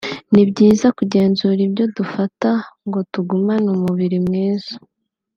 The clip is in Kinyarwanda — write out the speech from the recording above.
ni byiza kugenzura ibyo dufata ngo tugumane umubiri mwiza